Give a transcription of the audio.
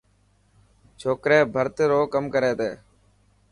ڇوڪري ڀرت رو ڪم ڪري تي.